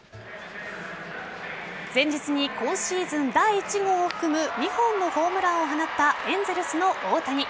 前日に今シーズン第１号を含む２本のホームランを放ったエンゼルスの大谷。